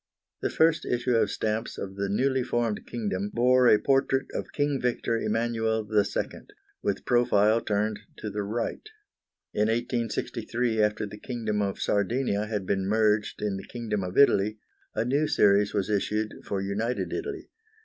The first issue of stamps of the newly formed kingdom bore a portrait of King Victor Emmanuel II. with profile turned to the right. In 1863, after the Kingdom of Sardinia had been merged in the Kingdom of Italy, a new series was issued for united Italy.